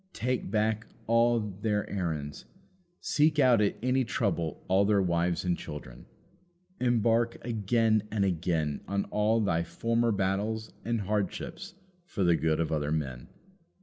Take back all their errands. Seek out at any trouble all their wives and children. Embark again and again on all thy former battles and hardships for the good of other men.